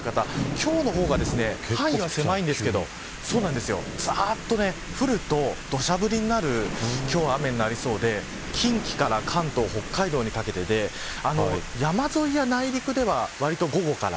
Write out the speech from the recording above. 今日の方が範囲は狭いんですけどざっと降ると土砂降りになる雨になりそうで近畿から関東、北海道にかけて山沿いや内陸ではわりと午後から。